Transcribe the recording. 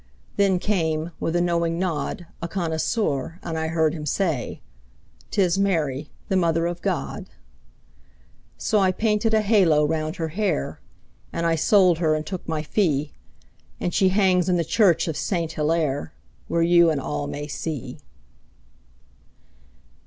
Then came, with a knowing nod, A connoisseur, and I heard him say; "'Tis Mary, the Mother of God." So I painted a halo round her hair, And I sold her and took my fee, And she hangs in the church of Saint Hillaire, Where you and all may see.